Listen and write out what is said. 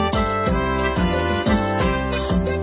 โฮฮะไอ้ยะฮู้ไอ้ยะ